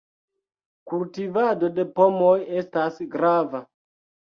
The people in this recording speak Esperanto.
Kultivado de pomoj estas grava.